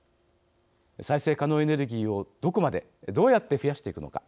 再生可能エネルギーをどこまでどうやって増やしていくのか。